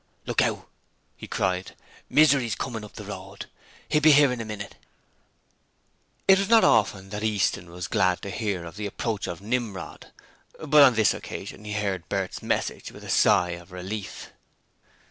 'Look out!' he cried, 'Misery's comin' up the road. 'E'll be 'ere in a minit.' It was not often that Easton was glad to hear of the approach of Nimrod, but on this occasion he heard Bert's message with a sigh of relief.